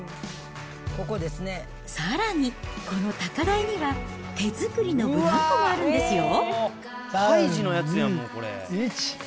さらに、この高台には、手作りのブランコもあるんですよ。